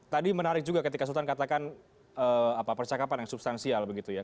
tadi menarik juga ketika sultan katakan percakapan yang substansial begitu ya